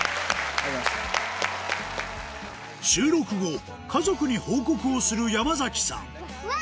収録後家族に報告をする山さんわぁ！